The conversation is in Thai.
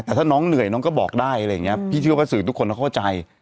แต่ถ้าน้องเหนื่อยน้องก็บอกได้อะไรอย่างนี้พี่เชื่อว่าสื่อทุกคนต้องเข้าใจ